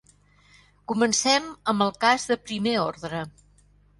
Comencem amb el cas de primer ordre.